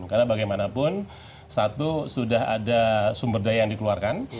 karena bagaimanapun satu sudah ada sumber daya yang dikeluarkan